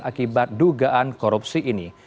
akibat dugaan korupsi ini